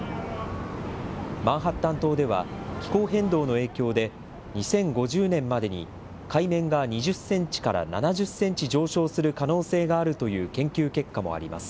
マンハッタン島では、気候変動の影響で、２０５０年までに海面が２０センチから７０センチ上昇する可能性があるという研究結果もあります。